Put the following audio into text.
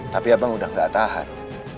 tapi abang udah gak tahan